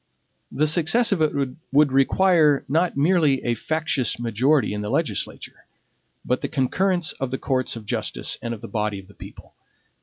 The success of it would require not merely a factious majority in the legislature, but the concurrence of the courts of justice and of the body of the people.